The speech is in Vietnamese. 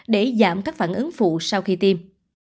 để giảm các phản ứng phụ sau khi tiêm